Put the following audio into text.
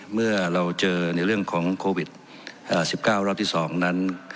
เมื่อเราเจอในเรื่องของโควิดอ่าสิบเก้ารอบที่สองนั้น